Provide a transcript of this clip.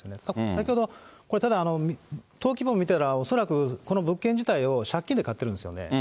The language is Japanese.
先ほどこれ、ただ、登記簿見たら、恐らくこの物件自体を、借金で買ってるんですよね。